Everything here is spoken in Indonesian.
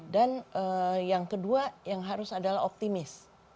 dan yang kedua yang harus adalah optimis